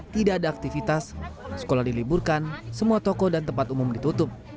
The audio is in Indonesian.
tidak ada aktivitas sekolah diliburkan semua toko dan tempat umum ditutup